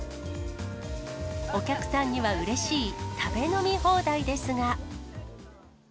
お客さんにはうれしい食べ飲み放題ですが。